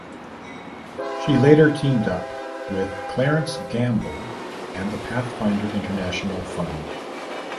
She later teamed up with Clarence Gamble and the Pathfinder International Fund.